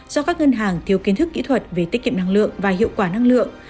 do các ngân hàng thiếu kiến thức kỹ thuật về tiết kiệm năng lượng và hiệu quả năng lượng